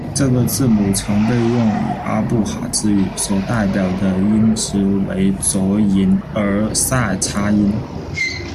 这个字母曾被用于阿布哈兹语，所代表的音值为浊龈腭塞擦音。